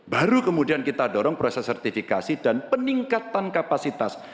baru kemudian kita dorong proses sertifikasi dan peningkatan kapasitas